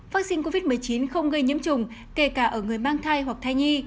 hai vắc xin covid một mươi chín không gây nhiễm chủng kể cả ở người mang thai hoặc thai nhi